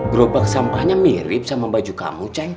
gerobak sampahnya mirip sama baju kamu